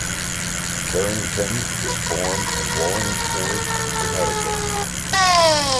Carrington was born in Wallingford, Connecticut.